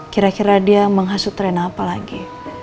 kira kira dia menghasut tren apa lagi